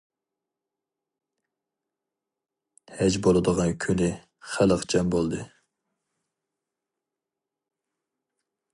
ھەج بولىدىغان كۈنى خەلق جەم بولدى.